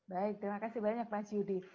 baik terima kasih banyak mas yudi